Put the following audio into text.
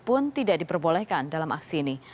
pun tidak diperbolehkan dalam aksi ini